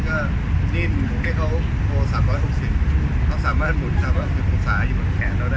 ก็นี่ผมให้เขาโทร๓๖๐เขาสามารถหมุนทำว่าคุณภูมิศาอยู่บนแขนเราได้